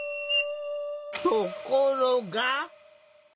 ところが。